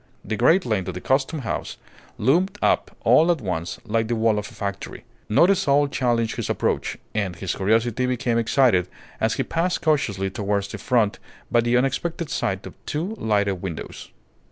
The great length of the Custom House loomed up all at once like the wall of a factory. Not a soul challenged his approach, and his curiosity became excited as he passed cautiously towards the front by the unexpected sight of two lighted windows.